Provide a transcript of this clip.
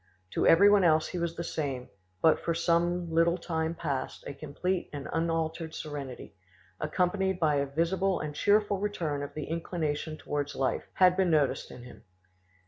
To everyone else he was the same; but for some little time past, a complete and unaltered serenity, accompanied by a visible and cheerful return of inclination towards life, had been noticed in him.